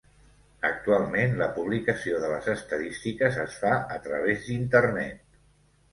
Actualment la publicació de les estadístiques es fa a través d'Internet.